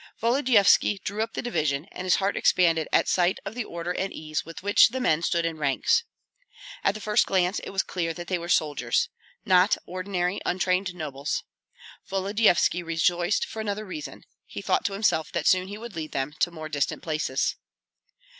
Volodyovski drew up the division, and his heart expanded at sight of the order and ease with which the men stood in ranks. At the first glance it was clear that they were soldiers, not ordinary untrained nobles. Volodyovski rejoiced for another reason; he thought to himself that soon he would lead them to more distant places.